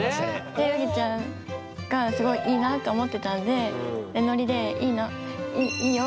でウギちゃんがすごいいいなって思ってたんでノリで「いいよ！」